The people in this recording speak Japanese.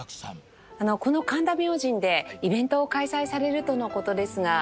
この神田明神でイベントを開催されるとの事ですが。